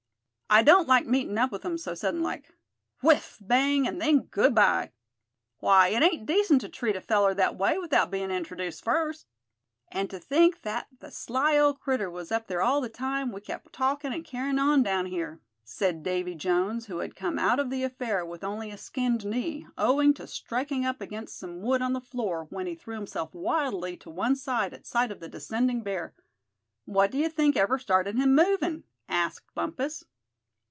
I don't like meetin' up with 'em so sudden like. Whiff! bang! and then good bye! Why, it ain't decent to treat a feller that way without bein' introduced first." "And to think that the sly old critter was up there all the time we kept talkin' and carryin' on down here?" said Davy Jones, who had come out of the affair with only a skinned knee, owing to striking up against some wood on the floor, when he threw himself wildly to one side at sight of the descending bear. "What d'ye think ever started him movin'?" asked Bumpus.